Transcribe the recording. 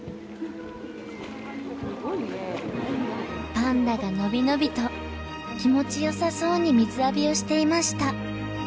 パンダが伸び伸びと気持ちよさそうに水浴びをしていました。